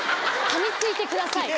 かみついてくださいって。